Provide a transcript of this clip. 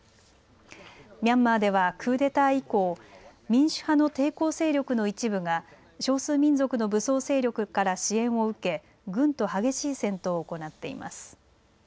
ミャンマーではクーデター以降、民主派の抵抗勢力の一部が少数民族の武装勢力から支援を受け軍と激しい戦闘を行っています。